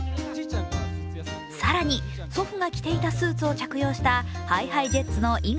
更に、祖父が着ていたスーツを着用したＨｉＨｉＪｅｔｓの猪狩